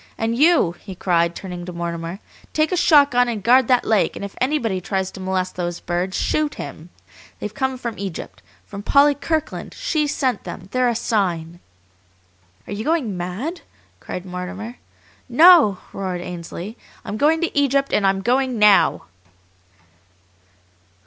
And YOU," he cried, turning to Mortimer, "take a shotgun and guard that lake, and if anybody tries to molest those birds shoot him! They've come from Egypt! From Polly Kirkland! She sent them! They're a sign!" "Are you going mad?" cried Mortimer. "No!" roared Ainsley. "I'm going to Egypt, and I'm going NOW!"